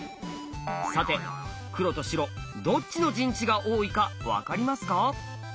さて黒と白どっちの陣地が多いか分かりますか？